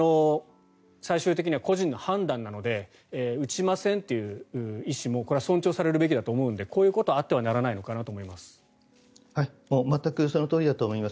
最終的には個人の判断なので打ちませんという意思も尊重されるべきなのでこういうことはあってはならないと思います。